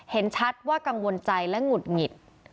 เห็นชัดว่ากังวลใจและหงุดหงิด